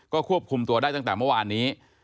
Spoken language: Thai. ควบคุมตัวได้ตั้งแต่เมื่อวานนี้